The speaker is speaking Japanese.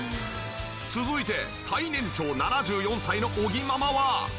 続いて最年長７４歳の尾木ママは。